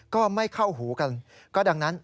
ก็ไม่เข้าหูกันก็ดังนั้น